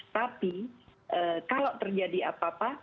tapi kalau terjadi apa apa